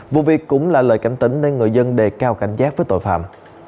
vụ việc cũng là lời cảnh tính nên người dân đề cao cảnh giác với tội phạm